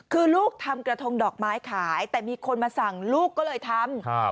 คือลูกทำกระทงดอกไม้ขายแต่มีคนมาสั่งลูกก็เลยทำ